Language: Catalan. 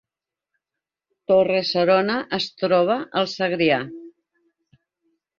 Torre-serona es troba al Segrià